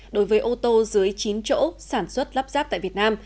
đối với ô tô dưới chín chỗ sản xuất lắp ráp tại việt nam